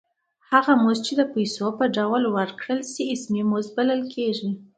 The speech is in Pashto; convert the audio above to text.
هغه مزد چې د پیسو په ډول ورکړل شي اسمي مزد بلل کېږي